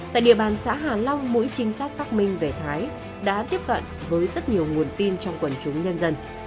tại địa bàn xã hà long mỗi trinh sát xác minh về thái đã tiếp cận với rất nhiều nguồn tin trong quần chúng nhân dân